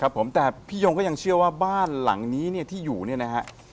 ผมแต่พี่ยงก็ยังเชื่อว่าบ้านหลังนี้เนี่ยที่อยู่เนี่ยนะฮะ